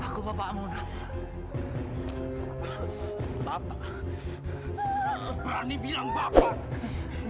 kau seberani bilang bapak